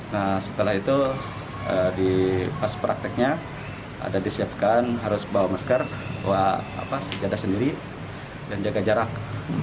nah setelah itu pas prakteknya ada disiapkan harus bawa masker bawa senjata sendiri dan jaga jarak